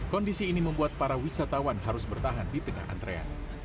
kondisi ini membuat para wisatawan harus bertahan di tengah antrean